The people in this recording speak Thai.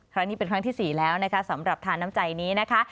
ครั้งนี้เป็นครั้งที่๔แล้วนะคะสำหรับทานน้ำใจนี้นะคะ